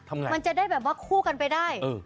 มันจะได้แบบว่าคู่กันไปได้